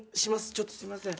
ちょっとすいません。